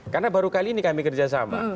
karena baru kali ini kami kerjasama